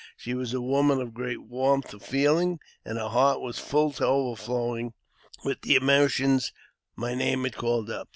She was a woman of great warmth of feeling, and her heart was full to overflowing with the emotions my name had called up.